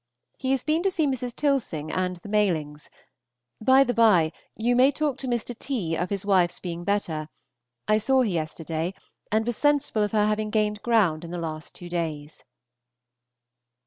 He has been to see Mrs. Tilson and the Malings. By the by, you may talk to Mr. T. of his wife's being better; I saw her yesterday, and was sensible of her having gained ground in the last two days.